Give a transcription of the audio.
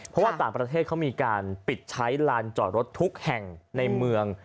เพราะว่าต่างประเทศเขามีการปิดใช้ลานจอดรถทุกแห่งในเมือง